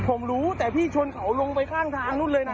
ผมรู้แต่พี่ชนเขาลงไปข้างทางนู้นเลยนะ